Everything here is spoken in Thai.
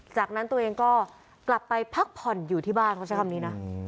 จากนั้นตัวเองก็กลับไปพักผ่อนอยู่ที่บ้านเขาใช้คำนี้นะ